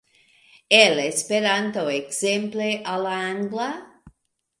el Esperanto ekzemple al la angla?